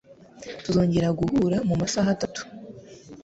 Tuzongera guhura mumasaha atatu.